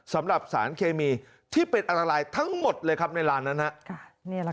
สำหรับสารเคมีที่เป็นอันตรายทั้งหมดเลยครับในร้านนั้น